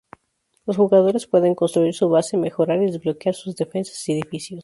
Los jugadores pueden construir su base, mejorar y desbloquear sus defensas y edificios.